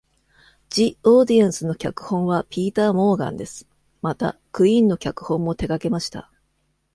「ジ・オーディエンス」の脚本はピーター・モーガンです。また「クィーン」の脚本も手掛けました。